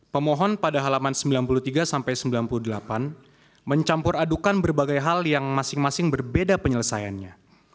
pemohon pada halaman sembilan puluh tiga sampai sembilan puluh delapan mencampur adukan berbagai hal yang masing masing berbeda penyelesaiannya